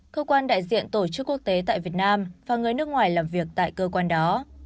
cơ quan đại diện tổ chức quốc tế tại việt nam và người nước ngoài làm việc tại cơ quan đó